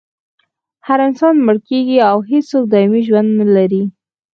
هر انسان مړ کیږي او هېڅوک دایمي ژوند نلري